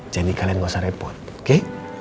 jadi kalian gak usah repot oke